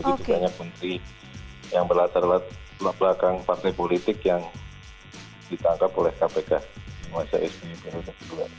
jadi banyak bunti yang berlatar latar belakang partai politik yang ditangkap oleh kpk di masa sby perutnya ketua